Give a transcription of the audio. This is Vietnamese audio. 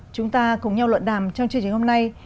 chúng ta cùng nhau luận đàm trong chương trình hôm nay